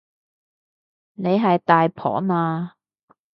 你係大婆嘛